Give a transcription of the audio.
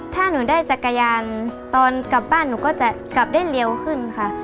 ถ้าหนูได้จักรยานตอนกลับบ้านหนูก็จะกลับได้เร็วขึ้นค่ะ